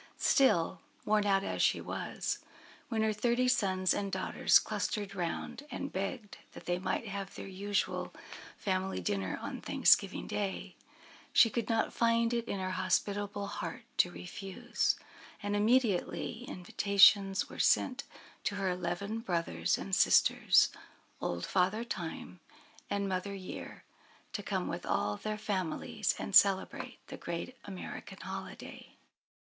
] Still, worn out as she was, when her thirty sons and daughters clustered round, and begged that they might have their usual family dinner on Thanksgiving Day, she could not find it in her hospitable heart to refuse, and immediately invitations were sent to her eleven brothers and sisters, old Father Time, and Mother Year, to come with all their families and celebrate the great American holiday.